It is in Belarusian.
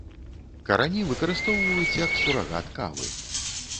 Карані выкарыстоўваюць як сурагат кавы.